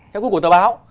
theo gu của tờ báo